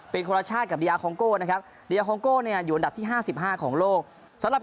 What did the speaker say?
ปัจจุบันทีมชาติคองโก้อยู่อันดับไหน๗ของโลกนะครับ